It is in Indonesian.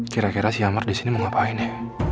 kira kira si amar disini mau ngapain ya